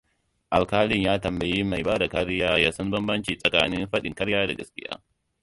Alƙalin ya tambayi mai bada kariya ya san banbaci tsakanin faɗin ƙarya da gaskiya.